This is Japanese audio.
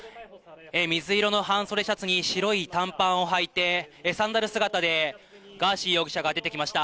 水色の半袖シャツに、白い短パンをはいて、サンダル姿でガーシー容疑者が出てきました。